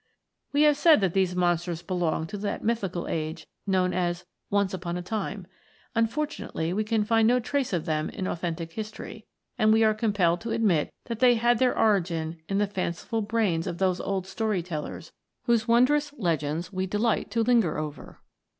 We have said that these monsters belonged to that mythical age known as " once upon a time ;" unfortunately we can find no trace of them in au thentic history, and we are compelled to admit that they had their origin in the fanciful brains of those THE AGE OF MONSTERS. 3 old story tellers whose wondrous legends we delight to linger over.